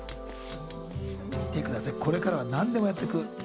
見てください、これからは何でもやっていく。